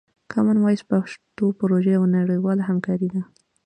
کامن وایس پښتو پروژه یوه نړیواله همکاري ده.